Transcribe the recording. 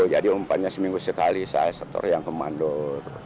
jadi umpannya seminggu sekali saya setor yang kemandor